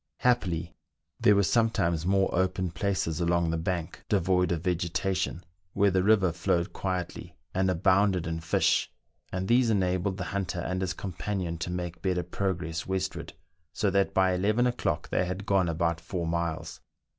Happily i6 meridiana; the adventures of there were sometimes more open places along the bank devoid of vegetation, where the river flowed quietly, and abounded in fish, and these enabled the hunter and his companion to make better progress westward, so that by eleven o'clock they had gone about four miles.